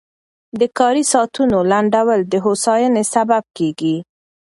د کاري ساعتونو لنډول د هوساینې سبب کېږي.